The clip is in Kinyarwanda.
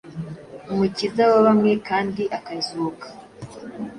Umukiza wabambwe kandi akazuka.